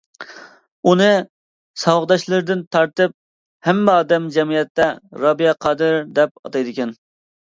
ئۇنى ساۋاقداشلىرىدىن تارتىپ ھەممە ئادەم جەمئىيەتتە «رابىيە قادىر» دەپ ئاتايدىكەن.